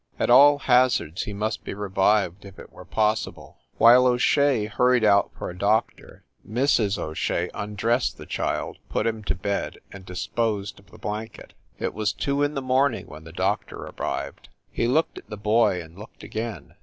At all hazards he must be revived if it were possible. While O Shea hurried out for a 8octor, Mrs. O Shea undressed the child, put him to bed and dis posed of the basket. It was two in the morning when the doctor arrived. He looked at the boy, and looked again.